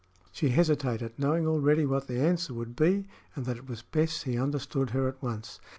She hesitated, knowing already what the answer would be and that it was best he understood her at once.